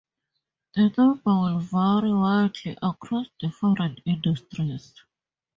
The number will vary widely across different industries.